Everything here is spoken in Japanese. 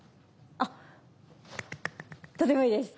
あっとてもいいです。